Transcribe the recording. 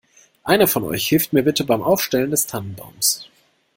Einer von euch hilft mir bitte beim Aufstellen des Tannenbaums.